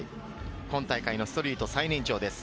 今大会のストリート最年長です。